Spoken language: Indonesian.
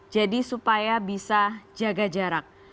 jadi supaya bisa jaga jarak